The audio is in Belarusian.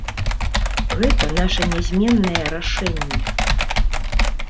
Гэта наша нязменнае рашэнне.